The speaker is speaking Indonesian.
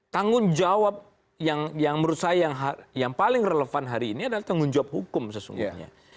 tanggung jawab yang menurut saya yang paling relevan hari ini adalah tanggung jawab hukum sesungguhnya